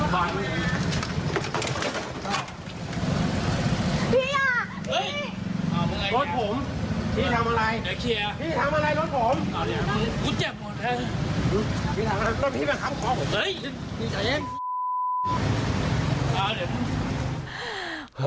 พี่ทำอะไรพี่บังคับขอผม